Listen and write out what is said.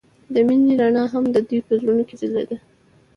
د مینه رڼا هم د دوی په زړونو کې ځلېده.